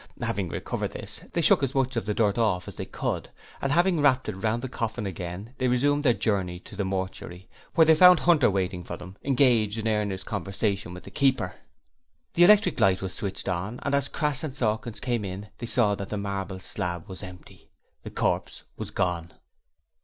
Having recovered this, they shook as much of the dirt off as they could, and having wrapped it round the coffin again they resumed their journey to the mortuary, where they found Hunter waiting for them, engaged in earnest conversation with the keeper. The electric light was switched on, and as Crass and Sawkins came in they saw that the marble slab was empty. The corpse was gone.